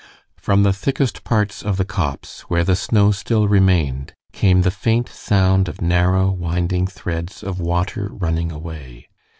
From the thickest parts of the copse, where the snow still remained, came the faint sound of narrow winding threads of water running away.